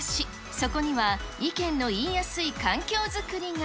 そこには、意見の言いやすい環境作りが。